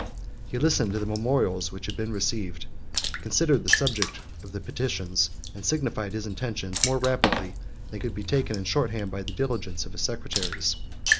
He listened to the memorials which had been received, considered the subject of the petitions, and signified his intentions more rapidly than they could be taken in short hand by the diligence of his secretaries.